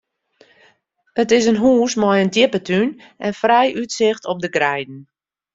It is in hús mei in djippe tún en frij útsicht op de greiden.